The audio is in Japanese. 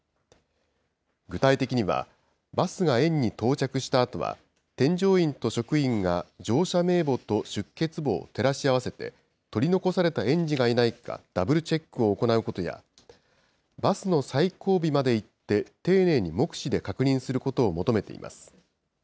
具体的には、バスが園に到着したあとは、添乗員と職員が乗車名簿と出欠簿を照らし合わせて、取り残された園児がいないかダブルチェックを行うことや、バスの最後尾まで行って丁寧に目視で確認することを求めています。